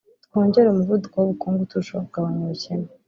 twongere umuvuduko w’ubukungu turushaho kugabanya ubukene”